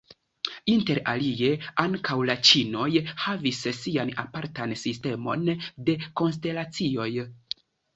Inter alie, ankaŭ la ĉinoj havis sian apartan sistemon de konstelacioj.